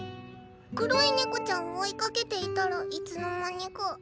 黒いネコちゃんを追いかけていたらいつの間にか。